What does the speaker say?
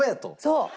そう。